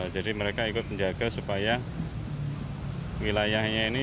jadi mereka ikut menjaga supaya wilayahnya ini